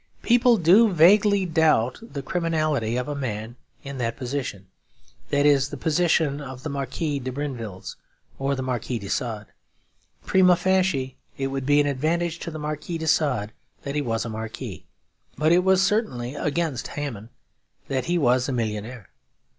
People do vaguely doubt the criminality of 'a man in that position'; that is, the position of the Marquise de Brinvilliers or the Marquis de Sade. Prima facie, it would be an advantage to the Marquis de Sade that he was a marquis. But it was certainly against Hamon that he was a millionaire.